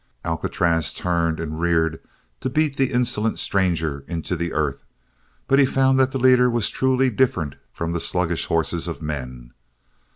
Alcatraz turned and reared to beat the insolent stranger into the earth but he found that the leader was truly different from the sluggish horses of men.